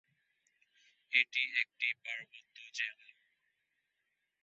এটি একটি পার্বত্য জেলা।